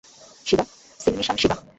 শিবা, সিলমিশাম শিবা।